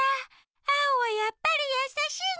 アオはやっぱりやさしいね。